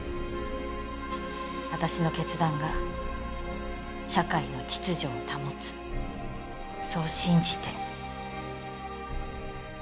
私の決断が社会の秩序を保つそう信じて。